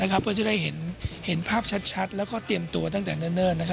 ก็จะได้เห็นภาพชัดแล้วก็เตรียมตัวตั้งแต่เนิ่น